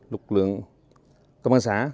lực lượng công an xã